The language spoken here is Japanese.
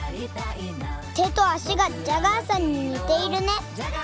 手と足がジャガーさんに似ているね。